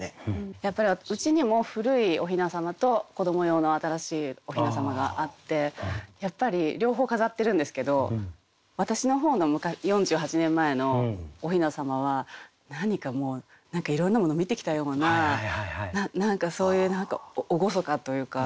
やっぱりうちにも古いお雛様と子ども用の新しいお雛様があってやっぱり両方飾ってるんですけど私の方の４８年前のお雛様は何かもういろんなものを見てきたような何かそういう何か厳かというか。